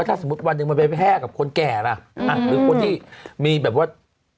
ถ้าสมมุติวันหนึ่งมันไปแพร่กับคนแก่ล่ะหรือคนที่มีแบบว่า